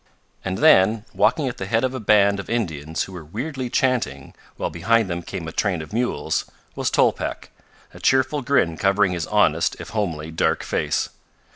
And then, walking at the head of a band of Indians who were weirdly chanting while behind them came a train of mules, was Tolpec, a cheerful grin covering his honest, if homely, dark face.